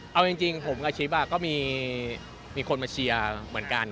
เอาจริงผมกับชิปก็มีคนมาเชียร์เหมือนกัน